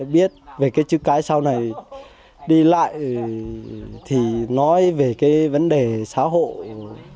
biết về cái chữ cái sau này đi lại thì nói về cái vấn đề xã hội